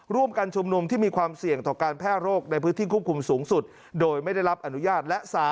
ร่วมกันชุมนุมที่มีความเสี่ยงต่อการแพร่โรคในพื้นที่ควบคุมสูงสุดโดยไม่ได้รับอนุญาต